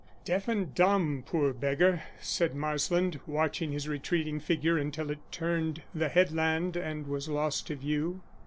"Deaf and dumb, poor beggar!" said Marsland, watching his retreating figure until it turned the headland and was lost to view.